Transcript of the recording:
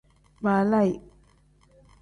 Balaayi.